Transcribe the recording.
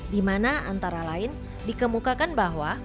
dimana antara lain dikemukakan bahwa